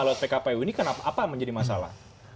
lewat pkpu ini apa yang menjadi masalah